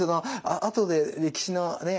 あとで歴史のね